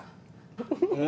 フフフ。